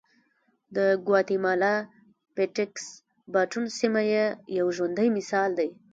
د ګواتیمالا پټېکس باټون سیمه یې یو ژوندی مثال دی